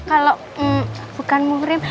kalau hmm bukan mungrim